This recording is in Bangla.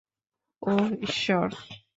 ওহ, ঈশ্বর!